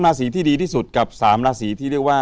ราศีที่ดีที่สุดกับ๓ราศีที่เรียกว่า